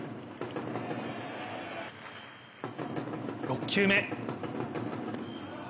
６球目。